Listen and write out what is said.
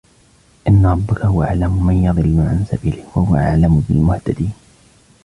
إن ربك هو أعلم من يضل عن سبيله وهو أعلم بالمهتدين